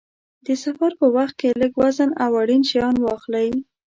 د سفر په وخت کې لږ وزن او اړین شیان واخلئ.